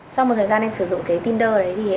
sau một thời gian em sử dụng tinder thì em thấy